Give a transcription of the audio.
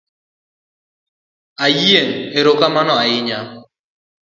Ayieng’ erokamano ahinya.